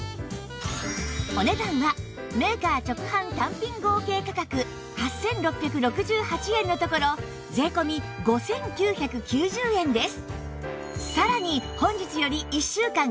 お値段はメーカー直販単品合計価格８６６８円のところ税込５９９０円です